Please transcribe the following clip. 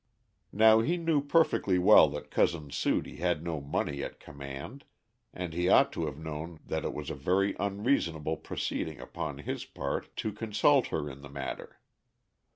Now he knew perfectly well that Cousin Sudie had no money at command, and he ought to have known that it was a very unreasonable proceeding upon his part to consult her in the matter.